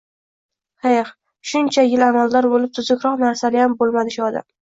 «Xeh, shuncha yil amaldor bo‘lib tuzukroq narsaliyam bo‘lmadi shu odam